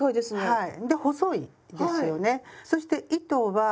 はい。